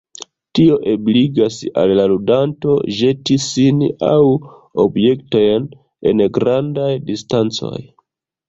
Tio ebligas al la ludanto ĵeti sin aŭ objektojn en grandaj distancoj.